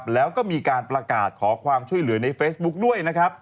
แล้วก็มีการประกาศขอความช่วยเหลือในเฟซบุ๊คด้วยนะครับ